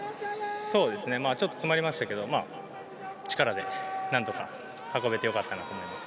ちょっと詰まりましたけど力で、何とか運べて良かったなと思います。